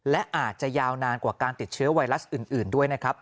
และอาจจะยาวนานกว่าการติดเชื้อไวรัสอื่นด้วยนะครับ